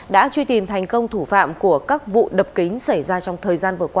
đã truy tìm thành công thủ phạm của các vụ đập kính xảy ra trong thời gian vừa qua